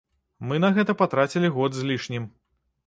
Мы на гэта патрацілі год з лішнім.